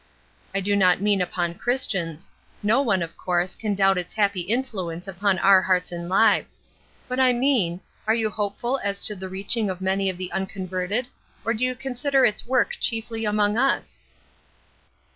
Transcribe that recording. I do not mean upon Christians. No one, of course, can doubt its happy influence upon our hearts and lives. But I mean, are you hopeful as to the reaching of many of the unconverted, or do you consider its work chiefly among us?"